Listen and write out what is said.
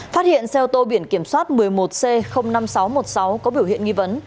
phát hiện xe ô tô biển kiểm soát một mươi một c năm nghìn sáu trăm một mươi sáu có biểu hiện nghi vấn